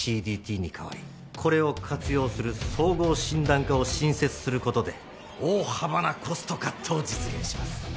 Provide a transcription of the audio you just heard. ＣＤＴに代わりこれを活用する総合診断科を新設することで大幅なコストカットを実現します。